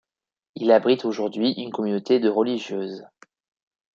Il abrite aujourd'hui une communauté de religieuses.